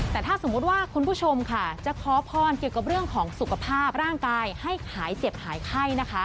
แต่ถ้าสมมุติว่าคุณผู้ชมค่ะจะขอพรเกี่ยวกับเรื่องของสุขภาพร่างกายให้หายเจ็บหายไข้นะคะ